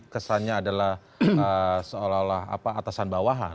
kesannya adalah seolah olah atasan bawahan